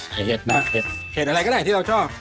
หรอไอ้เห็ดน่าเผ็ดเผ็ดอะไรก็ได้ที่เราชอบ